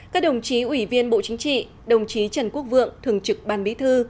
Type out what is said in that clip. các đồng chí ủy viên bộ chính trị đồng chí trần quốc vượng thường trực ban bí thư